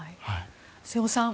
瀬尾さん